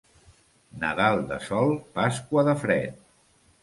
Nadal de sol, Pasqua de fred.